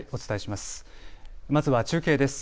まずは中継です。